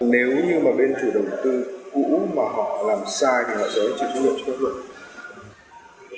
nếu như mà bên chủ đầu tư cũ mà họ làm sai thì họ sẽ chịu chứng nhận cho bác luật